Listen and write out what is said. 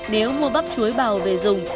nếu mua bắp chuối bào về dùng